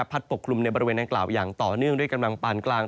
ปกคลุมในบริเวณดังกล่าวอย่างต่อเนื่องด้วยกำลังปานกลาง